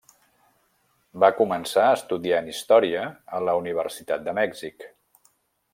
Va començar estudiant història a la Universitat de Mèxic.